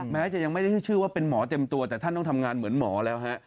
แม้จะยังไม่ได้ให้ชื่อว่าเป็นหมอเต็มตัวแต่ท่านต้องทำงานเหมือนหมอแล้วฮะ